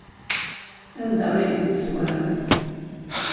Anda ay tent-tezwaremt?